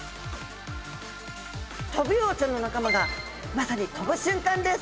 トビウオちゃんの仲間がまさに飛ぶ瞬間です！